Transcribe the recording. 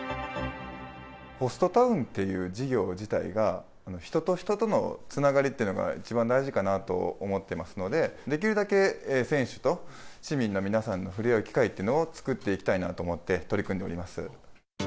ホストタウンっていう事業自体が、人と人とのつながりってのが一番大事かなと思ってますので、できるだけ選手と市民の皆さんがふれあう機会っていうのを作っていきたいなと思って、取り組んでおります。